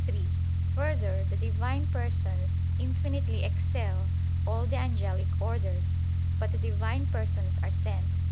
3: Further, the Divine Persons infinitely excel all the angelic orders. But the Divine Persons are sent.